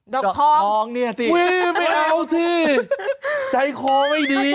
ดอกทองนี่อาติกไม่เอาสิใจคล้อไม่ดี